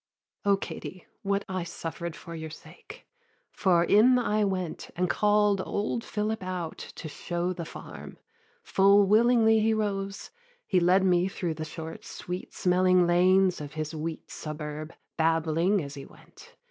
'O Katie, what I suffered for your sake! For in I went, and call'd old Philip out To show the farm: full willingly he rose: He led me thro' the short sweet smelling lanes Of his wheat suburb, babbling as he went.